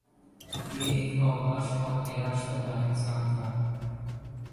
یہ ایک اوباش اور عیاش طبع انسان تھا